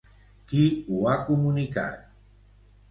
Qui ho ha comunicat?